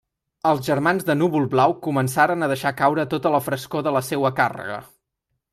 Els germans de Núvol-Blau començaren a deixar caure tota la frescor de la seua càrrega.